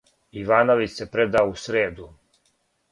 Ивановић се предао у среду.